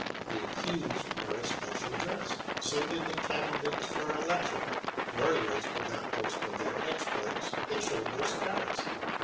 The accused wore a special dress, so did the candidates for election; warriors did not boast of their exploits, they showed their scars.